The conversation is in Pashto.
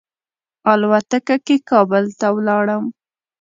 الوتکه کې کابل ته ولاړم.